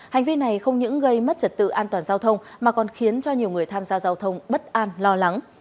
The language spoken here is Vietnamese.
hành vi này không những gây mất trật tự an toàn giao thông mà còn khiến cho nhiều người tham gia giao thông bất an lo lắng